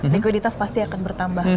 likuiditas pasti akan bertambah